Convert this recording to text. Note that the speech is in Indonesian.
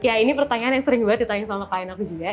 ya ini pertanyaan yang sering banget ditanya sama pak aina aku juga